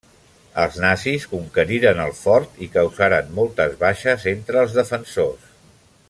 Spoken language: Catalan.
Els nazis conqueriren el fort i causaren moltes baixes entre els defensors.